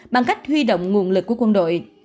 bằng cách huy động nguồn lực của quân đội